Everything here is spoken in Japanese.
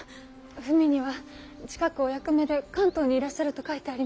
文には近くお役目で関東にいらっしゃると書いてあります。